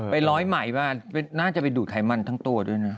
ร้อยใหม่มาน่าจะไปดูดไขมันทั้งตัวด้วยนะ